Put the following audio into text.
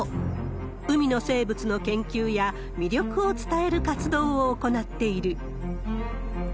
海の生物の研究や魅力を伝える活動を行っている。